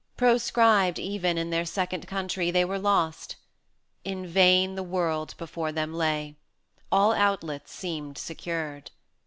Proscribed even in their second country, they Were lost; in vain the World before them lay; All outlets seemed secured.